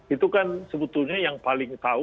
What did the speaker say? itu kan sebetulnya yang paling tahu